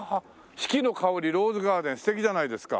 「四季の香ローズガーデン」素敵じゃないですか。